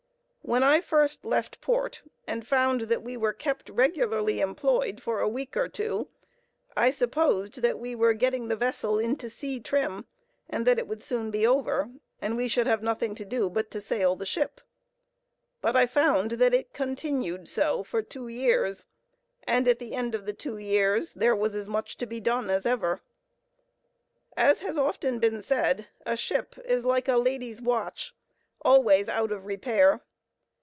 When I first left port, and found that we were kept regularly employed for a week or two, I supposed that we were getting the vessel into sea trim and that it would soon be over, and we should have nothing to do but to sail the ship; but I found that it continued so for two years, and at the end of the two years there was as much to be done as ever. As has often been said, a ship is like a lady's watch, always out of repair.